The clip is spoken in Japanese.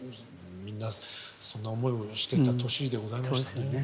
みんなそんな思いをしてた年でございましたね。